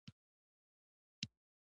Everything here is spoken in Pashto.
موزیک ته عمر نه شته.